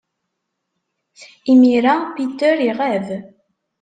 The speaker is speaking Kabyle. Imir-a, Peter iɣab.